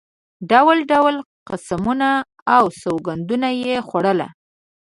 ډول ډول قسمونه او سوګندونه یې خوړل.